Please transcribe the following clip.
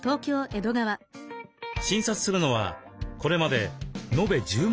診察するのはこれまでのべ１０万